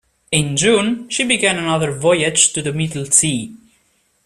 In June, she began another voyage to the middle sea.